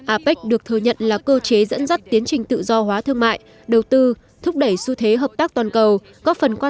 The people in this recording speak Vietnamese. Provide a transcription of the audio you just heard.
apec được thừa nhận là cơ chế dẫn dắt tiến trình tự do hóa thương mại đầu tư thúc đẩy xu thế hợp tác toàn cầu